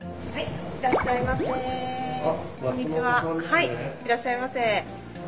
はいいらっしゃいませ。